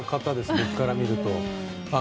僕から見ると。